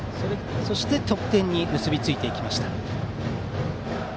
そして得点に結びついていきました。